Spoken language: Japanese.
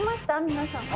皆さん。